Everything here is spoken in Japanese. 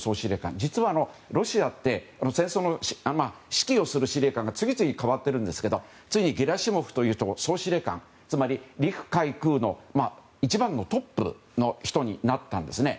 実はロシアって戦争の指揮をする司令官が次々代わってるんですけどついにゲラシモフ総司令官がつまり陸海空の一番のトップの人になったんですね。